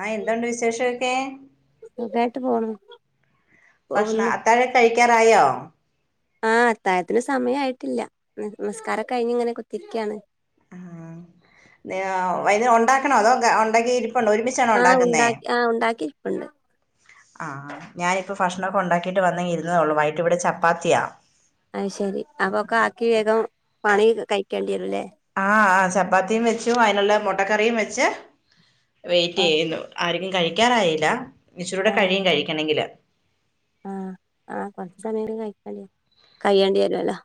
ആഹ് എന്തോണ്ട് വിശേഷമൊക്കെ. സുഖായിട്ട് പോവുന്നു. ‌ ഭക്ഷണ അത്താഴൊക്കെ കഴിക്ക്യാറായോ. ആഹ് അത്തായത്തിന് സമയായിട്ടില്ല ന് ന്സ്കാരൊകഴിഞ്ങ്ങനെ കുത്തിര്ക്ക്യാണ്. അതെയോ വൈന്നേ ഉണ്ടാക്കണോ അതോ ക്ര ഉണ്ടാക്കി ഇരിപ്പണ്ടോ ഒരുമിച്ചാണോ ആഹ് ഉണ്ടാക്കുന്നേ. ഉണ്ടാക്കി ആഹ് ഉണ്ടാക്കിരിപ്പുണ്ട് ആഹ് ഞാനിപ്പൊ ഭക്ഷണൊക്കെണ്ടാക്കിയിട്ട് വന്നേ ഇരുന്നതൊള്ളൂ വൈകിട്ട് ഇവടെ ചപ്പാത്തിയാ. അത് ശെരി അപ്പൊക്കെ ആക്കി വേഗം പണി കഴിക്കേണ്ടി വരുലേ. ആഹ് ആ ചപ്പാത്തിയും വെച്ചു അയിനുള്ള മുട്ടക്കറിയും വെച്ച് ആഹ് വെയ്റ്റെയ്യുന്നു. ആര്ക്കും കഴിക്കാറായില്ല ഇച്ചിരൂടെ കഴിയും കഴിക്കണെങ്കില്. ആഹ് ആഹ് കൊർച്ചന്തേലും കഴിക്കണ്ടി കയ്യേണ്ട്യര്വല്ലോ.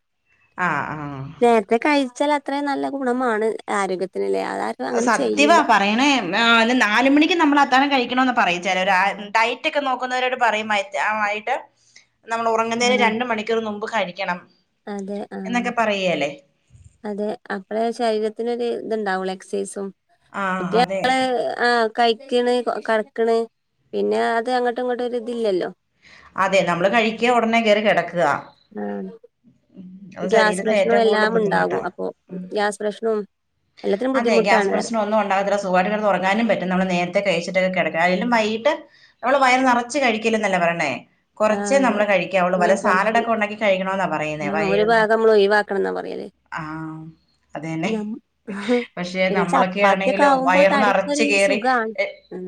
ആഹ് ആഹ്. നേര്ത്തെ കയിച്ചാൽ അത്രയും നല്ല ഗുണമാണ് ആരോഗ്യത്തിന്ലെ അ അ സത്യവാ പ കയ്യ്ണം ഏഹ് അല്ല നാല്മണിക്ക് നമ്മള് അത്താഴം കഴിക്കണമന്ന് പറയും ച്ചാല് ഒരാ ഡയറ്റ്ക്കെ നോക്കുന്നവരോട് പറയുമ ഞ്ഞാ വൈകിട്ട് നമ്മള് ഉറങ്ങുന്നതിന് ആഹ് രണ്ടു മണിക്കൂർ മുമ്പ് കഴിക്കണം. അതെ ആഹ് എന്നൊക്കെ പറയേലേ. അതെ അപ്പഴാ ശരീരത്തിനൊര് ഇത്ണ്ടാവുള്ളു എക്സൈസും ആഹ് മറ്റേ അതെ നമ്മള് ആഹ്. കയ്ക്ക്ണ് കടക്ക്ണ് പിന്നെ അത് അങ്ങോട്ടും ഇങ്ങോട്ടും ഒരിതില്ലല്ലോ അതെ നമ്മള് കഴിക്ക ഒടനെ കേറി കെടക്ക ആഹ് ഗ്യാസ് പ്രശ്നും ഏറ്റവും കൂടുതൽ എല്ലാം ബുദ്ധിമുട്ടാ ഉണ്ടാകും അപ്പൊ ഗ്യാസ് പ്രശ്നും അതെ ഗ്യാസ് പ്രശ്നം ഒന്നും ഉണ്ടാകത്തില്ല സ് സുഖായിട്ട് കെടന്ന് ഒറങ്ങാനും പറ്റും നമ്മള് നേരത്തെ കഴിച്ചിട്ടൊക്കെ കെടക്കണം അതിലും വൈകിട്ട് നമ്മള് വയർ നെറച്ച് കഴിക്കല്ലെന്നല്ലേ പറെണേ ആ കൊർച്ചേ അതെ നമ്മള് കഴിക്കാവുള്ളു ആ വല്ല കൊറച്ച് സാലടൊക്കെ ഉണ്ടാക്കി കഴിക്കണംന്നാ പറയുന്നേ ആ ഒരു വൈകുന്നേ ഭാഗം നമ്മൾ ഒഴിവാക്കണം എന്നാ പറയല് ആഹ് അത് തന്നെ പക്ഷെ പിന്നെ ചപ്പാത്തിയൊക്കെ നമ്മളൊക്കെയാണെങ്കിലോ ആവുമ്പോ വയറ് നറച്ച് തടിക്കൊരു കേറി സുഖാണ് ഉം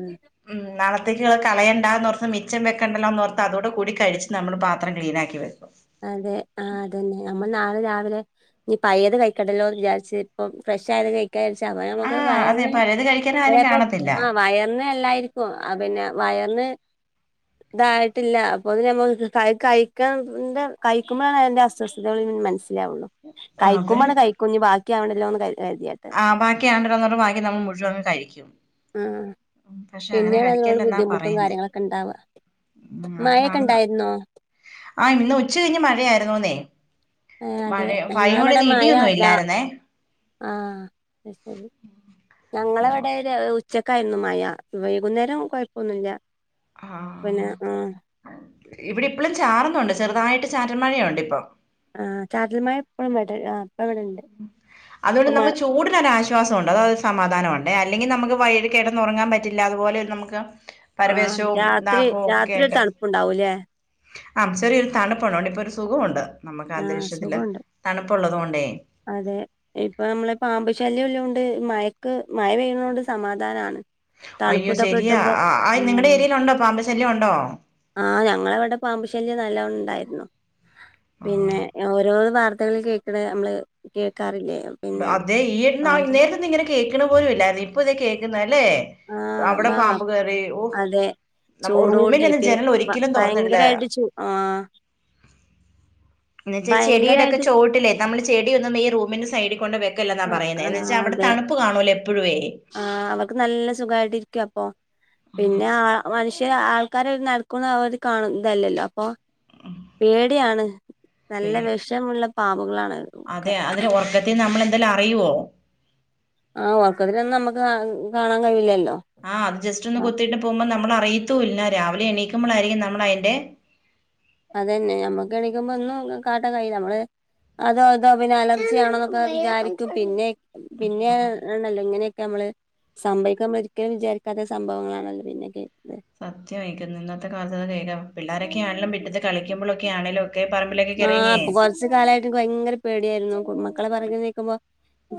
ഉം നാളത്തേക്ക്‌ള്ളത് കളയണ്ടാന്നോർത്ത് മിച്ചം വെക്കണ്ടല്ലോന്നോർ ത്ത് അതോട് കൂടി കഴിച്ച് നമ്മള് പാത്രം ക്ലീനാക്കി വെക്കും അതെ ആഹ് അതെന്നെ നമ്മള് നാളെ രാവിലെ ഇനി പയേത് കയിക്കണ്ടല്ലോന്ന് വിചാരിച്ച് ഇപ്പം ഫ്രഷായത് കഴി ക്കാ ച്ചാ അപ്പമ്മക് ആഹ് അതെ വയർന് പഴയത് കഴിക്കാൻ ആരും ചെലേപ്പൊ കാണത്തില്ല ആഹ് വയർന് അല്ലാ പ്പൊ ആഹ് പിന്നെ വയർന് തായിട്ടില്ല അപ്പോത്തിന് മ്മക്ക്‌ അത് കഴിക്ക [unintelligible] കയിക്കുമ്പളാണ് അയ്ന്റെ അസ്വസ്ഥതകള് മനസ്സിലാവുള്ളൂ അതെ കയിക്കുമ്പണ്ട് കയി ക്കും ഇഞ്ഞി ബാക്കിയാവണ്ടല്ലോന്ന് കര് കര്തിയാണ് ആഹ് ബാക്കി ആണ്ടലോന്ന് പറഞ്ഞ് ബാക്കി നമ്മള് മുഴുവങ്ങ് കഴിക്കും ആഹ് ഉം, പക്ഷെ അങ്ങനെ പിന്നെണ് അതിനോട് കഴിക്കല്ലെന്നാ ബുദ്ധിമുട്ടും പറയുന്നേ കാര്യങ്ങളൊക്കെണ്ടാവ ഉം അപ്പളാണ് മയക്കെണ്ടായിര്ന്നോ ആഹ് ഇന്ന് ഉച്ച കഴിഞ്ഞ് മഴയായിരുന്നുന്നേ ആഹ് അതെ മഴ ഞങ്ങളവിടെ [unintelligible] മഴ ഇടിയൊന്നും രാ ഇല്ലായിരുന്നേ ആഹ് അത് ശെരി ഞങ്ങളവടെ ഒര് ഉച്ച ച്ചക്കായിരുന്നു മയ വൈകുന്നേരം കൊയപ്പൊന്നുല്ല ആഹ് ഇവടെ ഇപ്പളും ചാറുന്നുണ്ട് ചെറുതായിട്ട് ചാറ്റൽ മഴയുണ്ട് ഇപ്പൊ ആഹ് ചാറ്റൽ മഴ എപ്പഴും ഇവടെ ആഹ് ഇവിടെണ്ട് ഉം ഇപ്പ അതോണ്ട് മഴ നമുക്ക് ചൂടിനൊരാശ്വാ ശ്വാസോണ്ട് അത് ഒരു സമാധാന ഒണ്ടേ അല്ലെങ്കി നമുക്ക് വയ്കിട്ട് കെടന്നൊറങ്ങാൻ പറ്റില്ല അതുപോലെ നമ്മക്ക് ആഹ് രാത്രി രാത്രി ഒര് തണുപ്പ്ണ്ടാവും ലെ ആഹ് ചെറിയൊരു തണുപ്പ്ള്ളോ ണ്ട് ഇപ്പൊ ഒരു സുഖോണ്ട് നമുക്ക് ആഹ് അന്തരീക്ഷത്തില് സുഖമുണ്ട് തണുപ്പ്ള്ളതോണ്ടേ അതെ ഇപ്പൊ നമ്മള് പാമ്പ് ശല്യല്ലോണ്ട് മയക്ക് മയ പെയ്യ്ണോണ്ട് സമാധാനാണ് തണുപ്പ് അയ്യോ ഇതൊക്കെ ശെരിയാ കിട്ടുമ്പോ ആഹ് ആയ് നിങ്ങടെ ഏരിയേല്ണ്ടോ പാമ്പ് ശല്യം ഒണ്ടോ ആഹ് ഞങ്ങളവടെ പാമ്പ് ശല്യം നല്ലോം ഉണ്ടായിര്ന്നു പിന്നെ ആ ഓരോന്ന് വാർ ത്തകളിൽ കേക്ക്‌ണെ നമ്മള് കേക്കാറില്ലേ അതേ ഈ [unintelligible] ഇന്നേരത്തൊന്നും ഇങ്ങനെ കേക്ക്‌ണ പോലും ഇല്ലാര്ന്നു ഇപ്പൊ ഇതേ കേക്ക്ന്ന് അല്ലേ ആഹ് അവടെ ബാ പാമ്പ് കേറി ഓഹ് അതെ നമ്മ ചൂടോണ്ടേ റൂമിന്റെ ഒന്നും പെ ജനല് ഒരിക്കലും തൊറന്നിട്ല്ല ഭയങ്കരായിട്ട് ചൂ ആഹ് എന്ന് വെച്ചാ ചെടീടൊക്കെ ഭയങ്കരായിട്ട് ചോട്ടിലേ നമ്മള് ചെടിയൊന്നും ഈ റൂമിന്റെ സൈഡിക്കൊണ്ട് വെക്ക ക്കല്ലാന്നാ ആഹ് പറയുന്നെ എന്ന് ആഹ് വെച്ചാ അവടെ അതെ തണുപ്പ് കാണൂല്ലേ എപ്പഴുയ്‌ ആഹ് അവർക്ക് നല്ല സുഖായിട്ട് ഇരിക്കപ്പം പിന്നെ ആ മനുഷ്യന് ആൾ ക്കാരെ ഒരു നെൽക്കും [unintelligible] ഇതല്ലല്ലപ്പൊ പേടിയാണ് നല്ല പേടി വെഷമുള്ള പാമ്പുകളാണ് ഒക്കെ ത്തിയ നമ്മള് എന്തേലും അറിയോ ആഹ് ഒർക്കത്തിലൊന്നും നമ്മക്ക് കാ കാണാ കഴിയില്ലല്ലോ ആഹ് അത് ജസ്റ്റ്‌ ഒന്ന് കൊത്തീട്ട് പോവുമ്പൊ നമ്മള് അറിയത്തുംല്ല രാവിലെ എണീക്കുമ്പളായിരിക്കും നമ്മള് അയിന്റെ അതന്നെ ഞമ്മക്ക് എണീക്കുമ്പൊ ഒന്നും കാട്ടാ കയ്യൂല ഞമ്മള് അതോ ഇതോ പിന്നെ അലർജി ആണോന്നൊക്കെ വിചാരിക്കും പിന്നെ പിന്നെ ആണല്ലോ ഇങ്ങനെയൊക്കെ യമ്മള് സംഭവിക്കാ ഒരിക്കലും വിചാരിക്കാത്ത സംഭവങ്ങളാണല്ലോ പിന്നെ കേ സത്യം ആയിട്ടും ഇന്നത്തെ കാലത്ത് [unintelligible] പിള്ളോരൊക്കെ ആണെങ്കിലും മുറ്റത്ത് കളിക്കുമ്പോഴൊക്കെ ആണേലൊക്കെ പറമ്പിലൊക്കെ കേറി ഇറങ്ങിയേ കുറച്ച് കാലമായിട്ടും ഭയങ്കര പേടിയായിരുന്നു മക്കള് പറഞ്ഞ് അയക്കുമ്പോൾ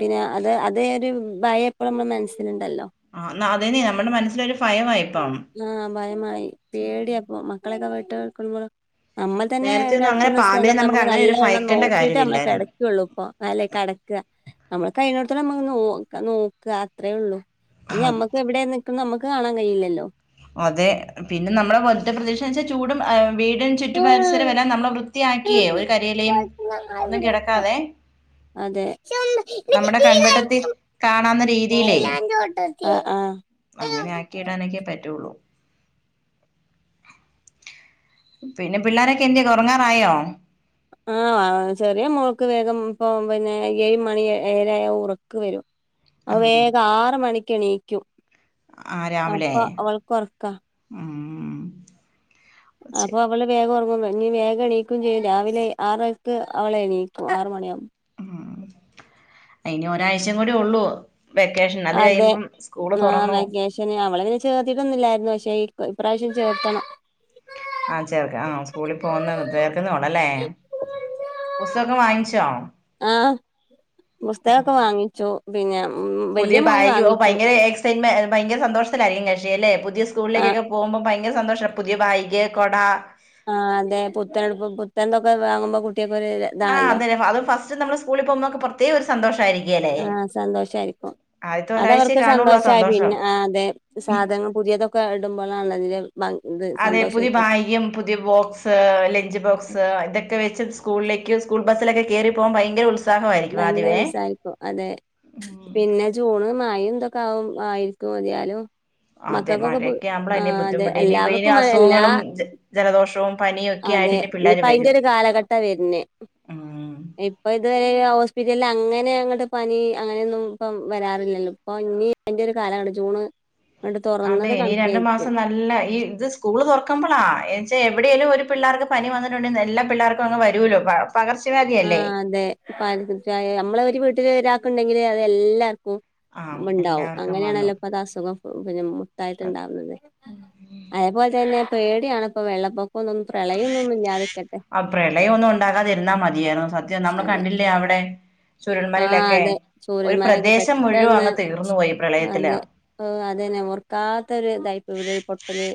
പിന്നെ അത് അതൊരു ഭയം എപ്പോഴും നമ്മുടെ മനസ്സിലുണ്ടല്ലോ ആ എന്നാ അതന്നെ നമ്മുടെ മനസ്സിലൊരു ഭയമായിപ്പം ആഹ് ഭയമായി പേടിയാ ഇപ്പോ മക്കളൊക്കെ വിട്ട് നിൽക്കുമ്പോൾ നമ്മൾ തന്നെ നേരത്തെ ഒന്നും അങ്ങനെ കെടക്കുന്ന സ്ഥലം പാമ്പിനെ ഒക്കെ നമുക്ക് അങ്ങനെ ഒരു നല്ലവണ്ണം ഭയക്കേണ്ട നോക്കീട്ട് നമ്മള് കെട കാര്യമില്ലായിരുന്നു ള്ളൂ ഇപ്പൊ അല്ലെ കിടക്കുക നമ്മള് കഴിയിന്നേടത്തോളം നമ്മൾ നോ നോക്കുക അത്രയേ ഉള്ളൂ അത് ഞമ്മക്ക് ഇവിടെ നിക്കുന്ന നമ്മക്ക് കാണാൻ കഴയില്ലല്ലോ അതെ പിന്നെ നമ്മളെ ഒറ്റ പ്രതീക്ഷ എന്നു വെച്ചാൽ ചൂടും വീട് ചുറ്റുപരിസരമെല്ലാം നമ്മള് വൃത്തിയാക്കിയും ഒരു കരയിലയും ഒന്നും കിടക്കാതെ അതെ നമ്മുടെ കൺവെട്ടത്തിൽ കാണാവുന്ന രീതിയിലേ ആഹ് ആഹ് അങ്ങനെ ആക്കിയിടാനൊക്കെ പറ്റുള്ളൂ പിന്നെ പിള്ളാരൊക്കെ എന്തിയേ ഉറങ്ങാറായോ ആഹ് ചെറിയ മോൾക്ക് വേഗം ഇപ്പം പിന്നെ ഏഴ് മണി ഏഴര ആയ ഉറക്ക് വരും അത് ആഹ് വേഗം ആറ് മണിക്ക് എണീക്കും ആഹ് രാവിലെ അപ്പൊ അവൾക്ക് ഉറക്കാ ഉം ഉം അപ്പൊ ശരി അവള് വേഗം ഉറങ്ങും പിന്നെ വേഗംണീക്കയും ചെയ്യും രാവിലെ ആറരക്ക് അവളെണീക്കും ആറു മണിയാവുമ്പോ ഉം ഇനി ഒരാഴ്ചയും കൂടി ഉള്ളൂ വെക്കേഷൻ അത് കഴിയുമ്പം സ്കൂള് തുറന്നു പക്ഷെ അവളെ പിന്നെ ചേർത്തിട്ടൊന്നില്ലായിരുന്നു പക്ഷെ ഇപ്രാവശ്യം ചേർത്തണം ആ ചേർക്ക ആ സ്കൂളിൽ പോന്ന് ചേർക്കുന്നുള്ളൂ അല്ലേ പുസ്തകം ഒക്കെ വാങ്ങിച്ചോ ആഹ് പുസ്തകമൊക്കെ വാങ്ങിച്ചു പിന്നെ വലിയ മോന് വാങ്ങിച്ചു പിന്നെ ഭയങ്കര സന്തോഷത്തിലായിരിക്കും കക്ഷി അല്ലെ പുതിയ ആ സ്കൂളിലേക്കൊക്കെ പോകുമ്പോൾ ഭയങ്കര സന്തോഷം പുതിയ ബാഗ് കൊട ആഹ് അതെ പുത്തനുടുപ്പും പുത്തൻൊക്കെ വാങ്ങുമ്പോ കുട്ടിയ്ക്ക് ഒരു ആ അത് ഫസ്റ്റ് നമ്മൾ സ്കൂളിൽ പോകുമ്പോക്കെ പ്രത്യേക ഒരു സന്തോഷായിരിക്കുവല്ലേ ആഹ് സന്തോഷം ആയിരിക്കും ആദ്യത്തെ അത് ഒരാഴ്ചയെ അവർക്ക് കാണുള്ളൂ ആ സന്തോഷമായി സന്തോഷം പിന്നെ ആഹ് അതെ സാധനങ്ങൾ പുതിയതൊക്കെ ഇടുമ്പോൾ ആണല്ലേ ഭം ഇത് അതെ പുതിയ സന്തോഷൊക്കെ ബായ്ഗും പു പുതിയ ബോക്സ് ലഞ്ച് ബോക്സ് ഇതൊക്കെ വെച്ച് സ്കൂളിലേക്ക് സ്കൂൾ ബസ്സിലൊക്കെ കേറി പോകാൻ ഭയങ്കര ഉത്സാ ഭയങ്കര ഉത്സാഹം ഇപ്പം അതെ പിന്നെ ജൂണിൽ മഴ ഇതൊക്കെ ആകും ആയിരിക്കും മതിയാലും അതെ മക്കൾക്കൊക്കെ പു മഴയൊക്കെ ആവുമ്പളാ ഇനി ആഹ് അതെ ബുദ്ധിമുട്ട് ഇനിയിപ്പ ഇനി എല്ലാവർക്കും മയ എല്ലാ അസുഖങ്ങളും ജ- ജലദോഷവും പനിയും ഒക്കെ ആയിട്ട് അതെ ഇനി പിള്ളേര് ഇനിയിപ്പം അയിന്റെ വരും ഒരു കാലഘട്ട വരുന്നെ. ഉം. ഇപ്പൊ ഇതുവരെ ഹോസ്പിറ്റലിൽ അങ്ങനെ അങ്ങോട്ട് പനി അങ്ങനെയൊന്നും ഇപ്പം വരാറില്ലല്ലോ ഇപ്പൊ ഇനി അതിന്റെ ഒരു കാലാണ് ജൂണ് അങ്ങട്ട് അതെ തുറന്നത് ഇനി രണ്ടു കണക്കായിരിക്കും മാസം നല്ല ഈ ഇത് സ്കൂള് തുറക്ക്മ്പളാ എന്ന് വെച്ചാൽ എവിടെയേലും ഒരു പിള്ളേർക്ക് പനി വന്നിട്ടുണ്ടെങ്കിൽ എല്ലാ പിള്ളേർക്കും അങ് വരുവല്ലോ പ പകർച്ച വ്യാധി ആഹ് അതെ പ നമ്മള ഒരു വീട്ടിൽ ഒരാക്കുണ്ടെങ്കില് അത് എല്ലാർക്കും ആഹ് ഉണ്ടാവും എല്ലാവർക്കും വന്നു അങ്ങനെയാണല്ലോ ഇപ്പൊ അത് അസുഖം പിന്നെ മൊത്തായിട്ടുണ്ടാവുന്നത് അതേപോലെ തന്നെ പേടിയാണിപ്പോ വെള്ളപ്പൊക്കൊന്നും പ്രളയം ഒന്നും ഇല്ലാതിരിക്കട്ടെ ആ പ്രളയം ഒന്നും ഉണ്ടകാതിരുന്നാ മതിയായിരുന്നു. സത്യം നമ്മള് അതെ കണ്ടില്ലേ അവിടെ ആ ചൂരൽമലേലൊക്കെ അതെ ഒരു ചൂരൽമലയൊക്കെ പ്രദേശം മുഴുവൻ അങ്ങ് തീർന്നു പോയി പ്രളയത്തില്. ഓഹ് അതന്നെ ഓർക്കാത്ത ഒരു ഇതായിപ്പോയി ഉരുൾപൊട്ടല്.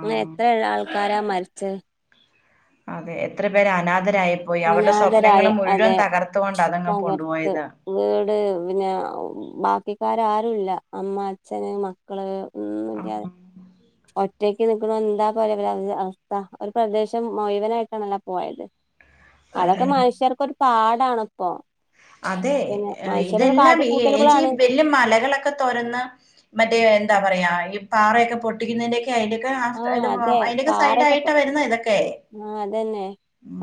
അങ്ങനെ എത്ര ആൾക്കാരാ മരിച്ചത് അതെ എത്ര പേര് അനാഥരായി പോയി അവര്ടെ സ്വപ്നങ്ങൾ അനാഥരായ അതെ മുഴുവൻ തകർത്ത് കൊണ്ട് അതങ്ങ് തകർത്ത് കൊണ്ടുപോയത് വീട് പിന്നേ ബാക്കിക്കാര് ആരുല്ല അമ്മ അച്ഛന് മക്കള് ആഹ് ഒറ്റയ്ക്ക് നിക്ക്ണു എന്താ പോലെ ഒരവസ്ഥ ഒര് പ്രദേശം മുഴുവനായിട്ടാണല്ലാ പോയത് അതൊക്കെ അതെന്നെ മനുഷ്യർക്കൊര് പാഠണ്പ്പൊ അതേ ഏഹ് ഇതെല്ലാം ഈ കാട്ടിക്കൂട്ടലുകളാണ് [unintelligible] ല് മലകളൊക്കെ തൊരന്ന് മറ്റേ എന്താ പറയാ ഈ പാറയൊക്കെ പൊട്ടിക്കുന്നേന്റെ ക്കെ അയിന്റെക്കെ ആഹ് സൈഡ് അതെ അയിന്റെക്കെ പാറൊക്കെ സൈഡായിട്ടാ വര്ന്ന് ഇതൊക്കെ ആഹ് അതന്നെ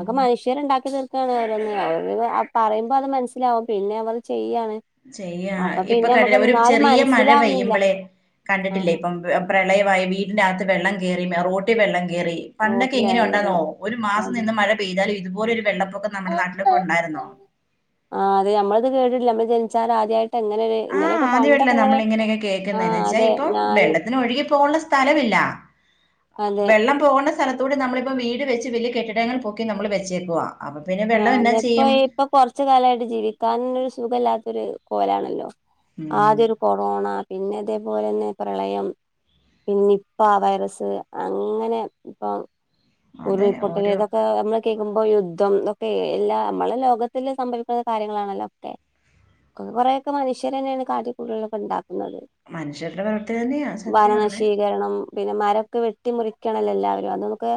ഒക്കെ മനുഷ്യര്ണ്ടാക്കി തീർക്കാണ് ഓരോന്ന് അവര് പറയുമ്പോ അത് മനസ്സിലാവും പിന്നെ അവര് ചെയ്യാണ് ചെയ്യാ അപ്പൊ ഇപ്പൊ പിന്നെ നമുക്ക് കണ്ടിലേ ഒരു എന്നാലും ചെറിയ മഴ മനസ്സിലാവുന്നില്ല പെയ്യുമ്പളേ കണ്ട്ട്ട്ല്ലേ ആഹ് ഇപ്പം പ്രളയമായി വീടിനകത്ത് വെള്ളം കേറി റോട്ടി വെള്ളം കേറി പണ്ടൊക്കെ റോട്ടിൽ ഇങ്ങനെ വേഗം കിടന്ന് ഉണ്ടാന്നോ ഒരു മാസം അത് നിന്ന് മഴ പെയ്താലും ഇത്പോലൊര് വെള്ളപ്പൊക്കം നമ്മടെ നാട്ടിലൊക്കെ ഒണ്ടായിരുന്നോ ആഹ് അതെ ഞമ്മള്ത് കേട്ട്ട്ടില്ല മ്മള് ജനിച്ചാലാദ്യാ ആഹ് ആദ്യമായ്ട്ടല്ലേ നമ്മൾ ഇങ്ങനെക്കെ ആഹ് കേക്ക്ന്നത്ച്ചാ അതെ ഇപ്പൊ ഞാനും വെള്ളത്തിന് ഒഴുകി പോവാള്ള സ് സ്ഥലമില്ല അതെ വെള്ളം പോണ സ്ഥലത്തൂടേ നമ്മളിപ്പോ വീട് വെച്ച് വല്ല്യ കെട്ടിടങ്ങൾ പൊക്കി നമ്മള് വെച്ചേക്കുവാ അപ്പൊ പിന്നെ വെള്ളം എന്നാ ചെയ്യും കൊറച്ച് കാലായിട്ട് ജീവിക്കാനന്നൊര് സുഖല്ലാത്തൊര് കോലാണല്ലോ ഉം ആദ്യൊരു കൊറോണ പിന്നെ ഇതേപോലെന്നെ പ്രളയം നിപ്പാ വൈറസ് അങ്ങനെ ഇപ്പം അതെ ഉരുൾ പൊട്ടല് ഓരോ ഇതൊക്കെ അന്ന് കേക്ക്മ്പോ യുദ്ധം ഏഹ് എല്ലാ മ്മളെ ലോകത്തില് സംഭവിക്കുന്ന കാര്യങ്ങളാണല്ലോ ഒക്കെ കൊ കൊറേ ഒക്കെ മനുഷ്യരന്നേണ് കാട്ടിക്കൂട്ടലേളൊക്കെ ഇണ്ടാക്കുന്നത് മനുഷ്യര്ടെ പ്രവൃത്തി തന്നെയാ സത്യ പറയ്ണെ കാരണം പിന്നെ മരൊക്കെ വെട്ടി മുറിക്കാണല്ലോ എല്ലാവരും അത് നൊക്കേ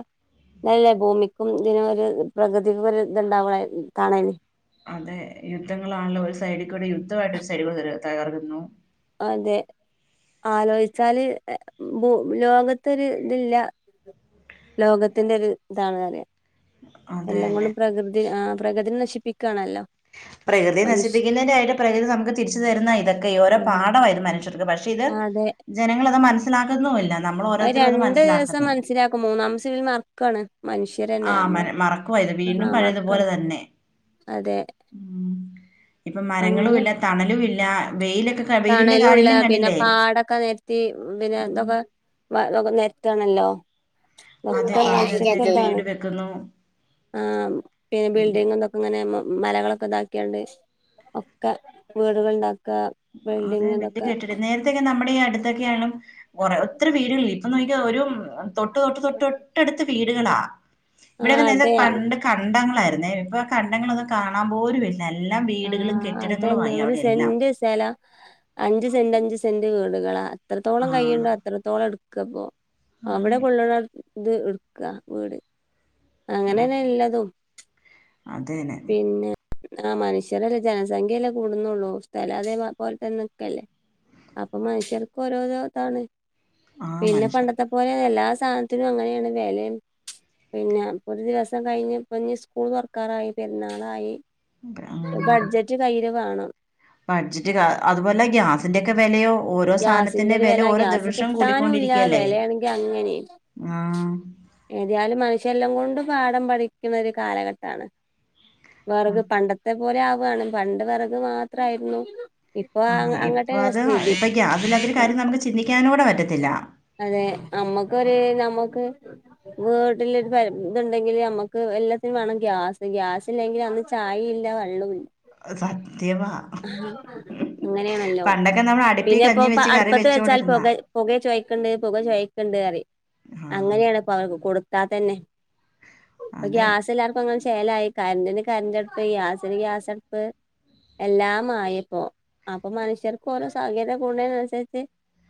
അല്ലേ ഭൂമിക്കും ഇതിനും ഒര് പ്രകൃതിക്കൊക്കൊര് ഇത്ണ്ടാവാ തണല് അതേ യുദ്ധങ്ങളാണല്ലോ ഒര് സൈഡിക്കൂടെ യുദ്ധമായിട്ട് ഒരു സൈഡ്ക്കൂടെ തകർക്ക്ന്നു അതെ ആലോയ്ച്ചാല് എ ഭൂ ലോകത്തൊര് ഇത് ല്ല ലോകത്തിന്റെ ഒര് ഇതാണ് അറ്യാ അതെ എല്ലം തന്നെ കൊണ്ടും പ്രകൃതി ആഹ് പ്രകൃതിനെ നശിപ്പിക്കാണല്ലോ പ്രകൃതിയെ നശിപ്പിക്കുന്നതിന്റെയായിട്ട് പ്രകൃതി നമുക്ക് തിരിച്ച് തരുന്ന ഇതൊക്കേ ഓരോ ആ പാഠമായിര്ന്ന് മനുഷ്യർക്ക് പ ക്ഷേ ഇത് അതെ ജനങ്ങളത് മനസ്സിലാക്ക്ന്നു ഇല്ല അത് രണ്ട് ദിവസം മനസ്സിലാക്കും മൂന്നാംസം ഇവര് മറക്കാണ് മനുഷ്യ ആഹ് മന മറക്കുവായിത് വീണ്ടും പഴേത്പോലെ മറക്കാണ് തന്നെ അതെ ഉം ഇപ്പം മരങ്ങളും അങ്ങനെ ഇല്ല തണലും ഇല്ല വെയിലൊക്കെ ക- വെയിലിന്റെ തണലും ഇള്ളാ കാഠിന്യം പിന്നെ കണ്ടില്ലേ പാടൊക്കെ നെര ത്തി പിന്നെ ഉം. തൊക്കെ വ തൊക്കെ നെര്ത്താണല്ലോ അതെ ഒക്കെ പല നിരത്തേക്ക് നശിപ്പിക്കാണ് വീട് വെക്കുന്നു ആഹ് പിന്നെ വല്യ ബിൽഡിംഗും തൊക്കെങ്ങനെ മ മലകളൊക്കെ ഇതാക്ക്യാണ്ട് ഒക്കെ വീട്കള്ണ്ടാക്കാ അതെ വല്ല്യ കെട്ടിട നേരത്തൊക്കെ നമ്മടെ ഈ അട്ത്തെക്കെയായാലും കൊറേ ഒത്തിരി വീട്കളില്ല ഇ പ്പനോയ്ക്കോ ഒരും തൊട്ട് തൊട്ട് തൊട്ട് തൊട്ടട്ത്ത് വീടുകളാ ആ ഇവ്ടെക്കെ നല്ല അതെ പണ്ട് കണ്ടങ്ങളായിരുന്നേ ഇപ്പൊ കണ്ടങ്ങളൊന്നും കാണാൻ പോലുവി നെല്ലം ആ വീട്കളും അതന്നെ കെട്ടിടങ്ങളുവായി ഒരു അവിടെയെല്ലാം സെന്റ് സ്ഥലം അഞ്ച് സെന്റ് അഞ്ച് സെന്റ് വീട്കളാ എത്രത്തോളം ആഹ് കയ്യ്ണ്ടോ അ ത്രത്തോളം എട്ക്കാപ്പോ അവിടെ അതെ കൊള്ള്ണ ത് ഇട്ക്കാ വീട് ആഹ് അങ്ങനെന്നെ എല്ലതും അതന്നെ പിന്നെ ആഹ് മനുഷ്യ രല്ലേ ജനസംഖ്യല്ലേ കൂടുന്നൊള്ളൂ സ്ഥലം അതേ പോ പോൽതന്നെ നിക്കല്ലേ അപ്പൊ മനുഷ്യർക്ക് ഓരോരോ താണ് ആഹ് പിന്നെ മനുഷ്യർ പണ്ടത്തെ പോലെയല്ല എല്ലാ സാനത്തിനും അങ്ങനെയാണ് വെലയും പിന്നെ പ്പൊ ഒരു ദിവസം കഴിഞ്ഞ് ഇപ്പ ഇഞ് സ്കൂൾ തൊർക്കാറായി പെര്ന്നാളായി ഉം തെ ആഹ് ബഡ്ജറ്റ് കയ്യില് വേണം ബഡ്ജിറ്റ് ക അത്പോലെ ഗ്യാസിന്റെയൊക്കെ വെലയോ ഓരോ ഗ്യാസിന്റെ സാനത്തിന്റെ ഒരു വില ഓരോ ഗ്യാസ് ദിവഷം കിട്ടാനും ഇല്ല കൂടിക്കൊണ്ടിരിക്കല്ലേ വിലയാണെങ്കി ആഹ് ഏത്യാലും മനുഷ്യരെല്ലാം കൊണ്ടും പാഠം പഠിക്കുന്ന ഒരു കാലഘട്ടാണ് വെറക് ആഹ് പണ്ടത്തെ പോലെ ആവ്വാണ് പണ്ട് വെറക് മാത്രായിരുന്നു ഇ ആഹ് ഇപ്പ അത് ഇപ്പ ഈ ഗ്യാസ് ഇല്ലാത്തൊര് പക്ഷെ കാര്യം നമുക്ക് ചിന്തിക്ക്യാനുകൂടെ പറ്റത്തില്ല അതെ നമ്മക്കൊര് ഞമ്മക്ക് വീട്ട്ലൊര് പ ഇത്ണ്ടെങ്കില് നമ്മക്ക് എല്ലാത്തിനും വേണം ഗ്യാസ് ഗ്യാസ് സില്ലെങ്കില് അന്ന് ചായിം ഇല്ല വെള്ളവും ഇല്ല സത്യവാ അഹ് അങ്ങനേണല്ലോ പണ്ടൊക്കെ നമ്മൾ അടുപ്പി പിന്നെ അപ്പൊ കഞ്ഞി ഇപ്പ വെച്ച് കറി അട്പ്പത്ത് വെച്ചാൽ വെച്ചോണ്ടിരുന്നാ പൊക പുകെ ചോയ്ക്കണ്ട് പുക ചൊയക്ക്ണ്ട് പറയും ആ അങ്ങനെയാണ് ഇപ്പൊ അവർക്ക് കൊടുത്താ തന്നെ ഇപ്പൊ അതെ ഗ്യാസ് എല്ലാർ ക്കും അങ്ങനെ ചേലായി കര്ന്റിന് കര്ന്റ് അട്പ്പ് ഗ്യാസിന് ഗ്യാസ് അട്പ്പ് എല്ലാംമായി ആപ്പൊ അപ്പൊ മനുഷ്യർക്ക് ഓരോ സൗകര്യം കൂട്ണേന് അനുസരിച്ച്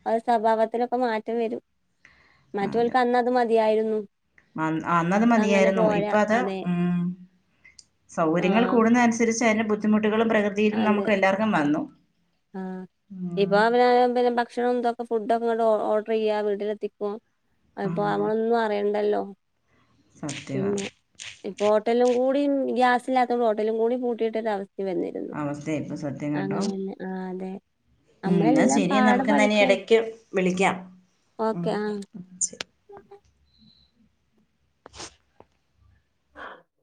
ഓരെ സ്വഭാവത്തിലൊക്കെ മാറ്റം വെരും അതെ മറ്റോൽക്ക് അന്ന്അത് മതിയായിരുന്നു അന്ന് അന്നത് ഇപ്പ അങ്ങനെ മതിയായിരുന്നു ഇപ്പ പോരാ അത് അതെ ഉം സൗകര്യങ്ങൾ ആഹ് കൂടുന്നതനുസരിച്ച് അതിന്റെ ബുദ്ധിമുട്ടുകളും പ്രകൃ അതെ ആഹ് ഇപ്പൊ ഉം അവര് പിന്നെ ഭക്ഷണം എന്തൊക്കെ ഫുഡ് ഒക്കെ ഇങ്ങോട്ട് ഓർഡർ ചെയ്യുക വീട്ടിലെത്തിക്കും ആ അപ്പോ നമ്മളൊന്നും അറിയണ്ടല്ലോ സത്യവാ പിന്നെ ഇപ്പൊ ഹോട്ടലിലും കൂടിയും ഗ്യാസില്ലാത്തതുകൊണ്ട് ഹോട്ടലും കൂടി പൂട്ടിയിട്ടൊരു അവസ്ഥ വന്നിരുന്നു അവസ്ഥയാ ഇപ്പോൾ സ അങ്ങനെ തന്നെ ആഹ് അതെ ഉം എന്ന നമ്മളെല്ലാം ശരി പാടെ നമുക്ക് എന്ന പഠിക്കാണ് ഇടക്ക് വിളിക്കാം ഓക്കെ ആഹ് [inaudible]